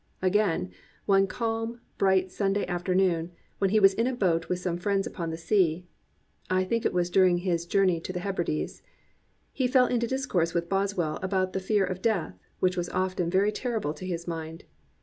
Again, one calm, bright Sun day afternoon, when he was in a boat with some friends upon the sea (I think it was during his jour ney to the Hebrides,) he fell into discourse with Boswell about the fear of death, which was often very terrible to his mind.